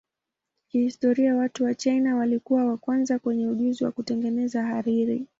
Kihistoria watu wa China walikuwa wa kwanza wenye ujuzi wa kutengeneza hariri.